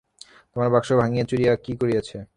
তোমার বাক্স ভাঙিয়া চুরি করিয়াছে?